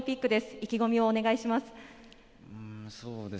意気込みをお願いします。